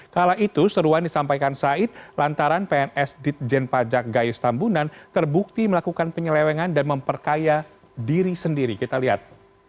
kala itu seruan disampaikan said lantaran pns ditjen pajak gayus tambunan terbukti melakukan penyelewengan dan memperkaya diri sendiri kita lihat